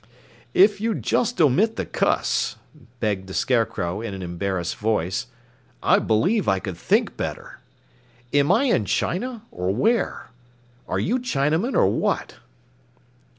"If you'd just omit the Cus," begged the Scarecrow in an embarrassed voice, "I believe I could think better. Am I in China, or where? Are you Chinamen, or what?"